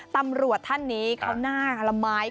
ตำรวจท่านนี้เขาหน้าละไม้